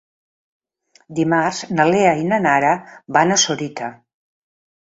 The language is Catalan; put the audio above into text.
Dimarts na Lea i na Nara van a Sorita.